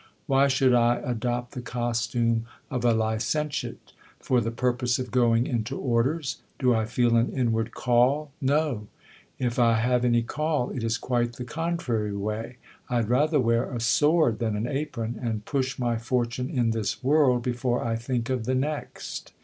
Why should I adopt the costume of a licentiate ? For the purpose of going into orders ? Do I feel an inward call ? No ? If I have any call, it is quite the contrary way. I had rather wear a sword than an apron : and push my fortune in this world, before I think of the next.